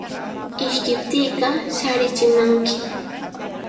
Ishkiptiiqa shaarichimanmi.